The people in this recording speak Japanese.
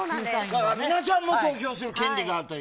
皆さんも投票する権利がある。